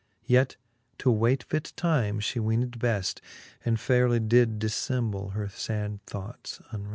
Yet to awayt fit time Ihe weened beft, And fairely did diffemble her fad thoughts unreft.